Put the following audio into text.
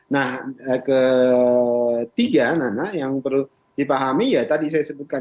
nah ketiga nana yang perlu dipahami ya tadi saya sebutkan